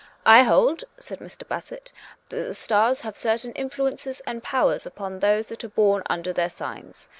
" I hold/' said Mr. Bassett, " that the stars have certain influences and powers ujDon those that are born under their signs.